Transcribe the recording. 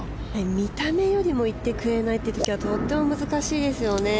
見た目よりも行ってくれないという時はとっても難しいですよね。